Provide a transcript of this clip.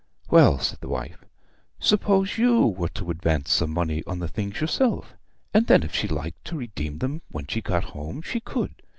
"Well," said the wife, "suppose you were to advance some money on the things yourself, and then if she liked to redeem 'em when she got home, she could.